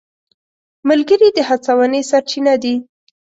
ملګري د هڅونې سرچینه دي.